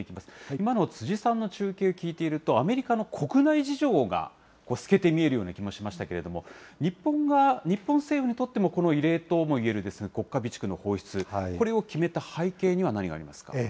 今の辻さんの中継聞いていると、アメリカの国内事情が透けて見えるような気もしましたけれども、日本政府にとっても、この異例ともいえる国家備蓄の放出、これを決めた背景には何がありますか。